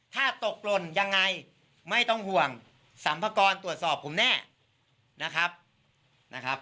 ถ้าตกลนยังไงไม่ต้องห่วงสรรพากรตรวจสอบผมแน่นะครับ